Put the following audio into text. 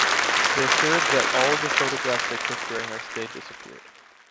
They assured that all the photographs they took during their stay disappeared.